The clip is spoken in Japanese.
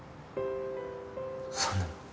そんな。